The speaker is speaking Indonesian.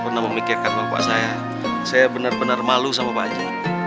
bernama pak haji saya benar benar malu sama pak haji